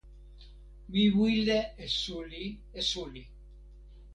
mi wile e suli e suli.